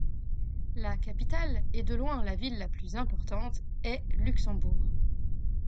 La capitale, et de loin la ville la plus importante, est Luxembourg.